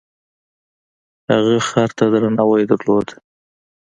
هغه خر ته درناوی درلود.